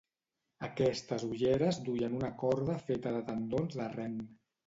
Aquestes ulleres duien una corda feta de tendons de ren.